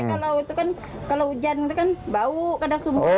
kalau itu kan kalau hujan itu kan bau kadang sumur